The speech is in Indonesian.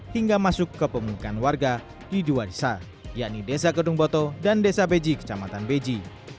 hingga masuk ke pemukaan warga di dua desa yakni desa kedung boto dan desa beji kecamatan beji